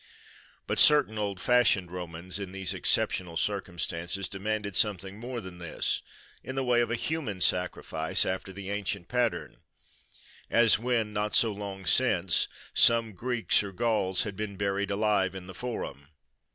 But certain old fashioned Romans, in these exceptional circumstances, demanded something more than this, in the way of a human sacrifice after the ancient pattern; as when, not so long since, some Greeks or Gauls had been buried alive in the Forum.